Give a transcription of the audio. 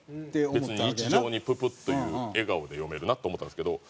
別に日常に「ププッ！」という笑顔で読めるなと思ったんですけど。